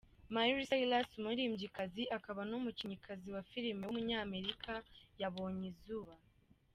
Miley Cyrus, umuririmbyikazi, akaba n’umukinnyikazi wa filime w’umunyamerika yabonye izuba.